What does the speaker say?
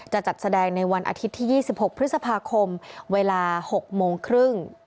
จะจัดแสดงในวันอาทิตย์ที่๒๖พฤษภาคมเวลา๖โมงครึ่ง